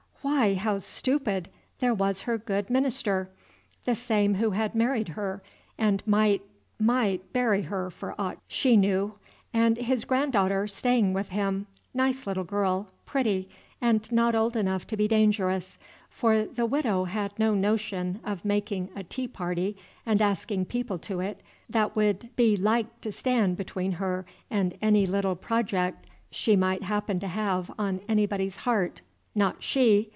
Why how stupid! there was her good minister, the same who had married her, and might might bury her for aught she anew, and his granddaughter staying with him, nice little girl, pretty, and not old enough to be dangerous; for the Widow had no notion of making a tea party and asking people to it that would be like to stand between her and any little project she might happen to have on anybody's heart, not she!